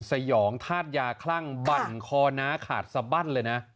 สยองธาตุยาคลั่งบั่นคอน้าขาดสบั้นเลยนะ